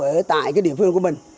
ở tại địa phương của mình